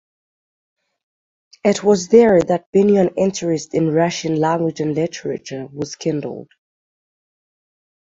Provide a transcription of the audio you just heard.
It was there that Binyon's interest in Russian language and literature was kindled.